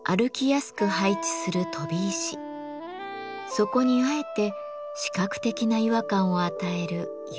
そこにあえて視覚的な違和感を与える「ゆらぎ」。